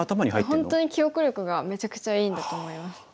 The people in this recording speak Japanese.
本当に記憶力がめちゃくちゃいいんだと思います。